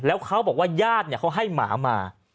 แล้วเขาบอกว่าญาติเขาให้หมามา